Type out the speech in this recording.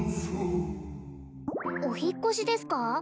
荘お引っ越しですか？